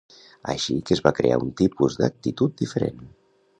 Així que es va crear un tipus d'actitud diferent.